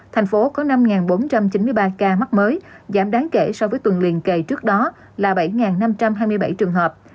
thành phố có năm bốn trăm chín mươi ba ca mắc mới giảm đáng kể so với tuần liên kỳ trước đó là bảy năm trăm hai mươi bảy trường hợp